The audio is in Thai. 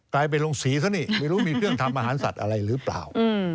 ไปลงสีซะนี่ไม่รู้มีเครื่องทำอาหารสัตว์อะไรหรือเปล่า